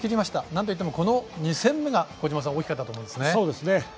なんといっても、この２戦目が大きかったと思うんですね。